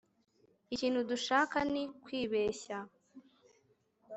ikintu dushaka ni kwibeshya